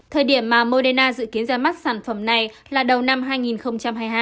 thời điểm mà moderna dự kiến ra mắt sản phẩm này là đầu năm hai nghìn hai mươi hai